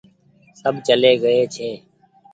سب چلي گيئي ڇي۔